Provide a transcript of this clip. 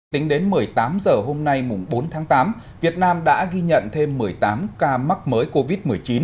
tính đến một mươi tám h hôm nay bốn tháng tám việt nam đã ghi nhận thêm một mươi tám ca mắc mới covid một mươi chín